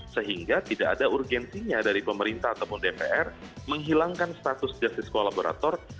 sehingga tidak ada urgensinya dari pemerintah ataupun dpr menghilangkan status justice kolaborator